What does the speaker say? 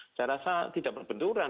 saya rasa tidak berbenturan